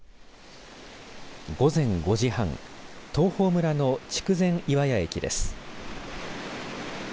午前５時半東峰村の筑前岩屋駅です。